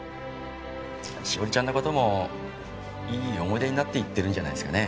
史織ちゃんの事もいい思い出になっていってるんじゃないですかね。